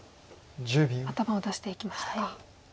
頭を出していきましたか。